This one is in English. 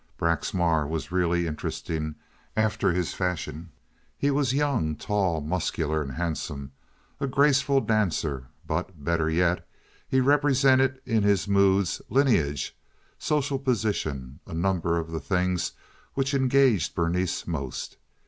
Braxmar was really interesting after his fashion. He was young, tall, muscular, and handsome, a graceful dancer; but, better yet, he represented in his moods lineage, social position, a number of the things which engaged Berenice most.